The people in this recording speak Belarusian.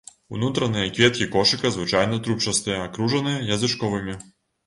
Унутраныя кветкі кошыка звычайна трубчастыя, акружаныя язычковымі.